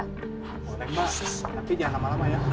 boleh mbak tapi jangan lama lama ya